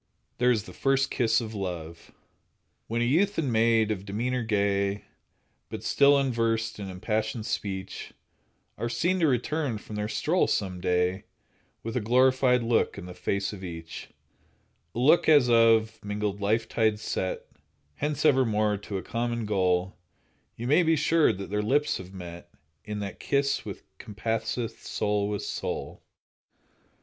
There is the first kiss of love: When a youth and maid of demeanor gay, But still unversed in impassioned speech, Are seen to return from their stroll some day With a glorified look in the face of each— A look as of mingled life tides set Hence evermore to a common goal— You may be sure that their lips have met In that kiss which compasseth soul with soul.